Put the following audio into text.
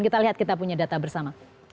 kita lihat kita punya data bersama